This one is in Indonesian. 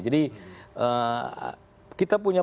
jadi kita punya